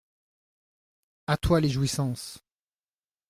A toi les jouissances !